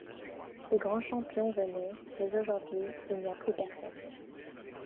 Les grands champions venaient mais aujourd’hui, il n’y a plus personne.